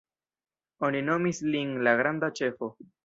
Oni nomis lin la »Granda Ĉefo«.